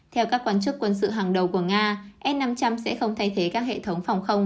theo các quan chức quân sự hàng đầu của nga s năm trăm linh sẽ không thay thế các hệ thống phòng không